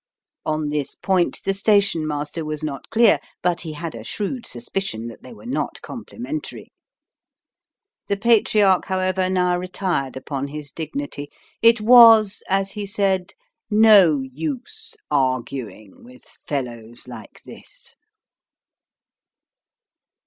On this point the station master was not clear, but he had a shrewd suspicion that they were not complimentary. The Patriarch, however, now retired upon his dignity. It was, as he said, no use arguing with fellows like this.